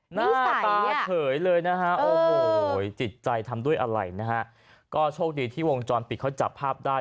หน้าตาเลือดเฉยเลยนะฮะโอ้โหจิตใจทำด้วยอะไรนะฮะก็โชคดีที่วงจรปิดเขาจับภาพได้